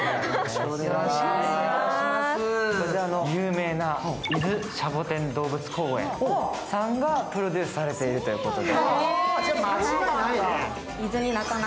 有名な伊豆しゃぼてん公園がプロデュースされているということで。